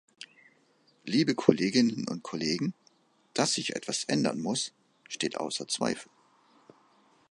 Liebe Kolleginnen und Kollegen, dass sich etwas ändern muss, steht außer Zweifel.